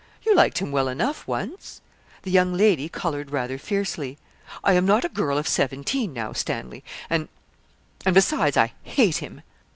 You liked him well enough once.' The young lady coloured rather fiercely. 'I am not a girl of seventeen now, Stanley; and and, besides, I hate him.'